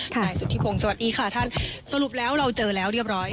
นายสุธิพงศ์สวัสดีค่ะท่านสรุปแล้วเราเจอแล้วเรียบร้อย